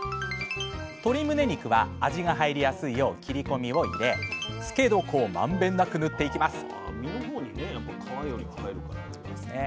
鶏むね肉は味が入りやすいよう切りこみを入れ漬け床をまんべんなくぬっていきます